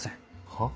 はっ？